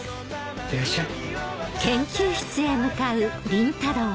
いってらっしゃい。